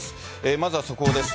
まずは速報です。